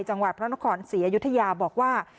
จังหวัดพระนครศรีอยุธยาบอกว่า